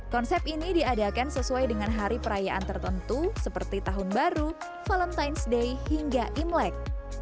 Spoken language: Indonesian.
konsep ini diadakan sesuai dengan hari perayaan tertentu seperti tahun baru valentines ⁇ day hingga imlek